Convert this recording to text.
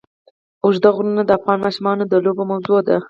اوږده غرونه د افغان ماشومانو د لوبو موضوع ده.